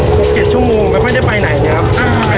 ก๋บเจ็ดชั่วโมงมันไม่ค่อยได้ไปไหนนะครับอ้าง